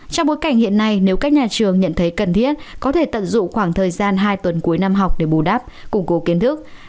trong bối cảnh hiện nay nếu các nhà trường nhận thấy cần thiết có thể tận dụng khoảng thời gian hai tuần cuối năm học để bù đáp củng cố kiến thức